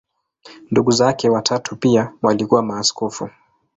Ndugu zake watatu pia walikuwa maaskofu.